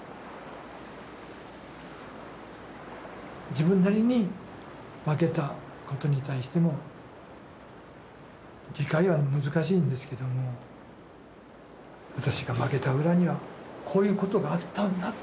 自分なりに負けたことに対しての理解は難しいんですけども私が負けた裏にはこういうことがあったんだと。